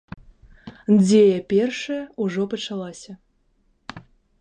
Дзея першая ўжо пачалася.